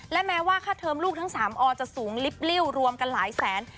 และแม้ว่าค่าเทอมลูกทั้ง๓ออจะสูงลิปลิ้วรวมกันหลายแสน